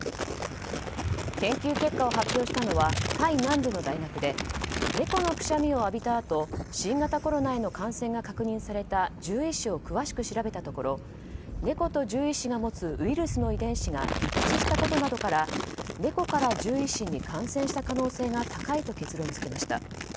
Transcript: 研究結果を発表したのはタイ南部の大学で猫のくしゃみを浴びたあと新型コロナの感染が確認された獣医師を詳しく調べたところ猫と獣医師が持つウイルスの遺伝子が一致したことなどから猫から獣医師に感染した可能性が高いと結論付けました。